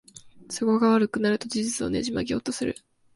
都合が悪くなると事実をねじ曲げようとする